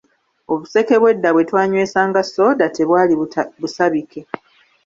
Obuseke bw'edda bwe twanywesanga sooda tebwali busabike.